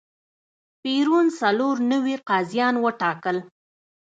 پېرون څلور نوي قاضیان وټاکل.